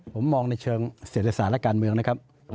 ผมมองในเชิงเศรษฐศาสตร์และการเมืองนะครับ